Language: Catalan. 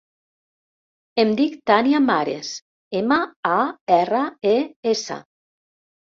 Em dic Tània Mares: ema, a, erra, e, essa.